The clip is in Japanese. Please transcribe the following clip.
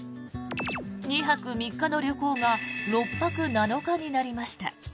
２泊３日の旅行が６泊７日になりました。